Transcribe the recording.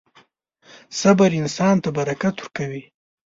• صبر انسان ته برکت ورکوي.